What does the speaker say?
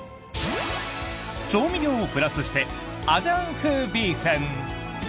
調味料をプラスしてアジアン風ビーフン。